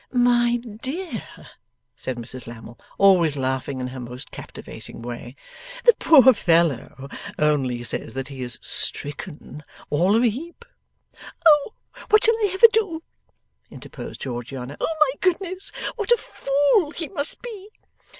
'My dear,' said Mrs Lammle, always laughing in her most captivating way, 'the poor young fellow only says that he is stricken all of a heap.' 'Oh, what shall I ever do!' interposed Georgiana. 'Oh my goodness what a Fool he must be!